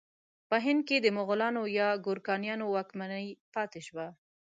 په هند کې د مغلانو یا ګورکانیانو واکمني پاتې شوه.